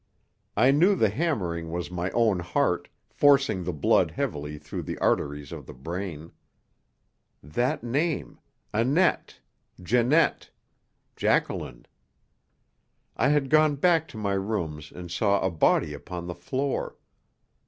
I knew the hammering was my own heart, forcing the blood heavily through the arteries of the brain. That name Annette Jeannette Jacqueline! I had gone back to my rooms and saw a body upon the floor.